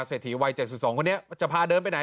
เศรษฐีวัย๗๒คนนี้จะพาเดินไปไหน